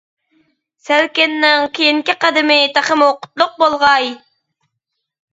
سەلكىننىڭ كېيىنكى قەدىمى تېخىمۇ قۇتلۇق بولغاي!